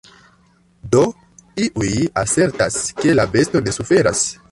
Do iuj asertas, ke la besto ne suferas.